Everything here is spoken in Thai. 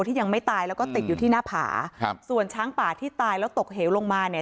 ที่ยังไม่ตายแล้วก็ติดอยู่ที่หน้าผาครับส่วนช้างป่าที่ตายแล้วตกเหวลงมาเนี่ย